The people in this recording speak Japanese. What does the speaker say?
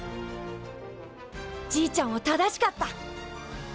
じいちゃんは正しかった。